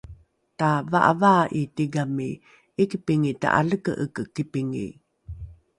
tava’avaa’i tigami ’ikipingi taka’aleke’eke kipingi